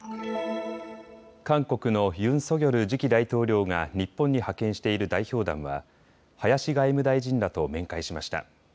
韓国のユン・ソギョル次期大統領が日本に派遣している代表団は林外務大臣らと面会しました。